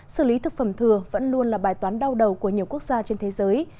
xử lý thực phẩm thừa vẫn luôn là bài toán đau đầu của nhiều quốc gia trên thế giới